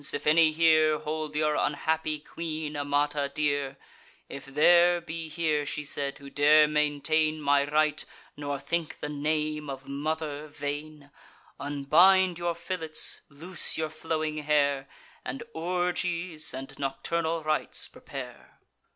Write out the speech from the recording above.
if any here Hold your unhappy queen, Amata, dear; If there be here," she said, "who dare maintain My right, nor think the name of mother vain; Unbind your fillets, loose your flowing hair, And orgies and nocturnal rites prepare."